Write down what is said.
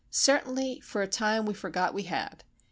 Certainly, for a time we forgot we had!